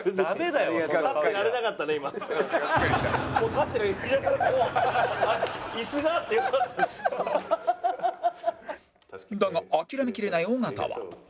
だが諦めきれない尾形は